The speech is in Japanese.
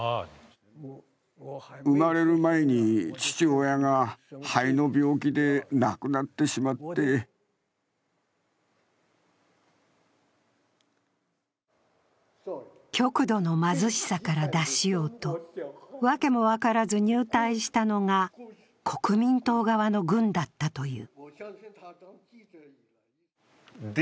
生まれる前に父親が肺の病気で亡くなってしまって極度の貧しさから脱しようと、訳も分からず入隊したのが国民党側の軍だったという。